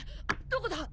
どこだ？